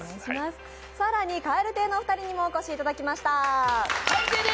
蛙亭のお二人にもお越しいただきました。